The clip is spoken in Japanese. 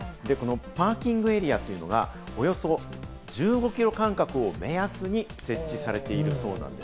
パーキングエリアというのが、およそ１５キロ間隔を目安に設置されているそうなんです。